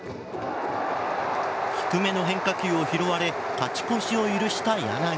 低めの変化球を拾われ勝ち越しを許した柳。